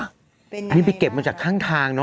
นี่ไปเก็บมาจากข้างทางเนอ